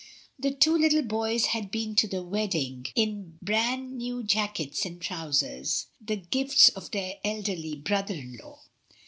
The two little boys had been to the wedding in bran new jackets and trousers — the gift of their elderly brother in law.